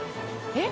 えっ！